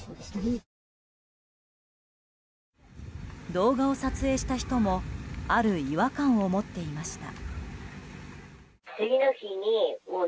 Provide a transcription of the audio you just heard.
動画を撮影した人もある違和感を持っていました。